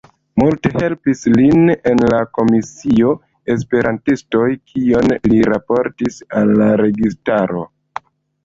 Multe helpis lin en la komisio Esperantistoj, kion li raportis al la registaro.